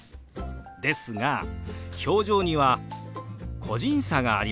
ですが表情には個人差がありますよね。